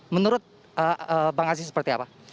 menurut bang aziz seperti apa